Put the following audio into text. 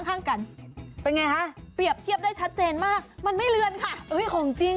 ส่วนอันนี้นี่เราซื้อมาใหม่เลยของจริง